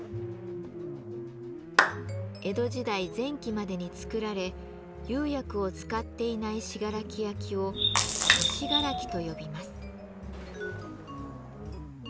江戸時代前期までに作られ釉薬を使っていない信楽焼を「古信楽」と呼びます。